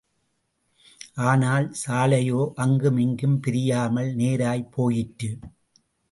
ஆனால் சாலையோ அங்குமிங்கும் பிரியாமல் நேராய்ப் போயிற்று.